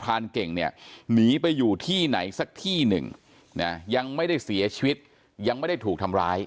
พรานเก่งเนี่ยหนีไปอยู่ที่ไหนสักที่หนึ่งยังไม่ได้เสียชีวิตยังไม่ได้ถูกทำร้าย